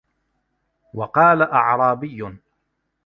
وَقَالَ أَعْرَابِيٌّ